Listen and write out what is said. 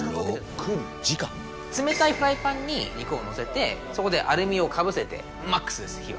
冷たいフライパンに肉をのせてそこでアルミをかぶせてマックスです